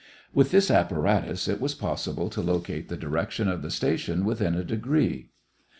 With this apparatus it was possible to locate the direction of the station within a degree.